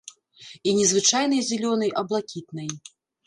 І не звычайнай зялёнай, а блакітнай.